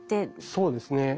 そうですね。